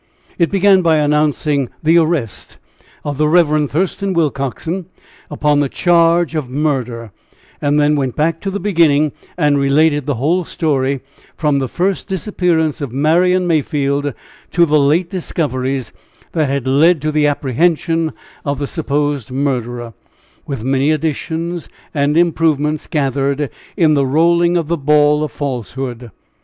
It began by announcing the arrest of the Rev. Thurston Willcoxen upon the charge of murder, and then went back to the beginning and related the whole story, from the first disappearance of Marian Mayfield to the late discoveries that had led to the apprehension of the supposed murderer, with many additions and improvements gathered in the rolling of the ball of falsehood.